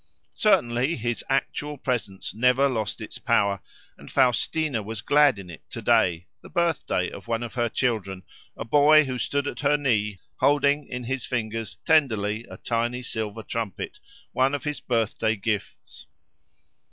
Certainly, his actual presence never lost its power, and Faustina was glad in it to day, the birthday of one of her children, a boy who stood at her knee holding in his fingers tenderly a tiny silver trumpet, one of his birthday gifts.